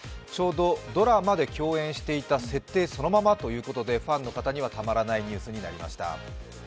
ちょうどドラマで共演していた設定そのままということでファンの方にはたまらないニュースになりました。